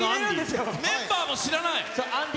メンバーも知らない。